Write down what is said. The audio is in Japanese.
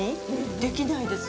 できないです。